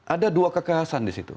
ada dua kekerasan disitu